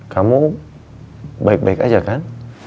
kamu baik baik aja kan